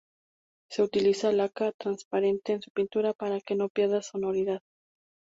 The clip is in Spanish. Se utiliza laca transparente en su pintura para que no pierda sonoridad.